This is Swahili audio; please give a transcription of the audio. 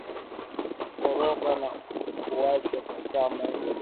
Koroga na uache kwa saa moja